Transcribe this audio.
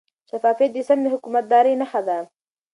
شفافیت د سم حکومتدارۍ نښه ده.